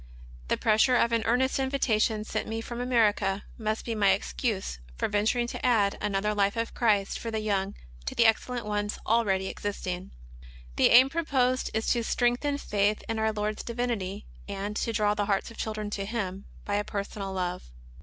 The pressure of an earnest invitation sent me from America must be mv excuse for venturing to add another Life of Christ for the Young to the excellent ones already existing. The aim proposed is to strengthen faith in our Lord's Divinity, and to draw the hearts of children to Him by a personal love.